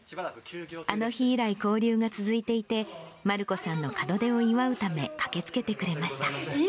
あの日以来交流が続いていて、団姫さんの門出を祝うため、駆けつけてくれました。